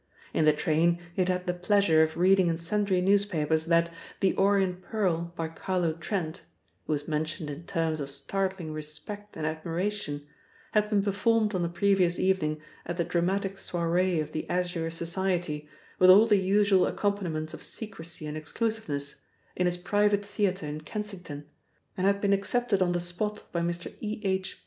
In the train he had had the pleasure of reading in sundry newspapers that "The Orient Pearl," by Carlo Trent (who was mentioned in terms of startling respect and admiration), had been performed on the previous evening at the dramatic soirée of the Azure Society, with all the usual accompaniments of secrecy and exclusiveness, in its private theatre in Kensington, and had been accepted on the spot by Mr. E. H.